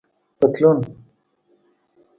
👖پطلون